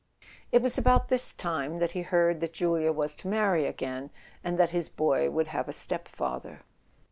It was about this time that he heard that Julia was to marry again, and that his boy would have a stepfather.